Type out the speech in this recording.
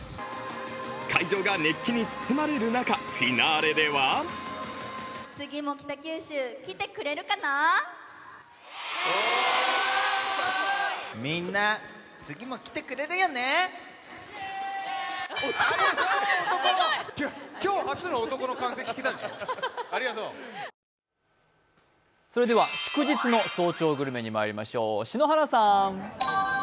会場が熱気に包まれる中、フィナーレではそれでは、祝日の早朝グルメにまいりましょう。